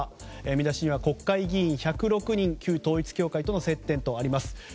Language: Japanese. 見出しには国会議員１０６人旧統一教会との接点とあります。